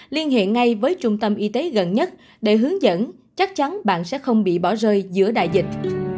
liên hệ ngay với trung tâm y tế gần nhất để hướng dẫn chắc chắn bạn sẽ không bị bỏ rơi giữa đại dịch